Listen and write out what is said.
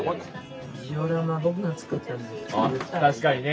確かにね